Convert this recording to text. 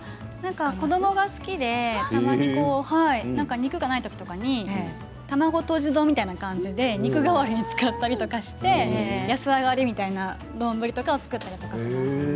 子どもが好きでたまに肉がないときとかに卵とじ丼みたいな感じで肉代わりに使ったりとかして安上がりみたいな丼とかは作ったりします。